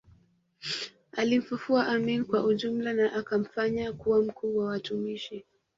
Alimfufua Amin kwa ujumla na akamfanya kuwa mkuu wa watumishi